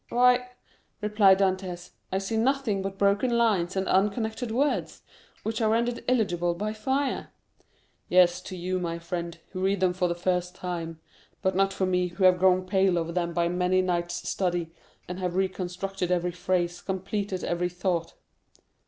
"Why," replied Dantès, "I see nothing but broken lines and unconnected words, which are rendered illegible by fire." "Yes, to you, my friend, who read them for the first time; but not for me, who have grown pale over them by many nights' study, and have reconstructed every phrase, completed every thought."